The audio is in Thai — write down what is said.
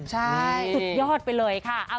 ใช่สุดยอดไปเลยค่ะ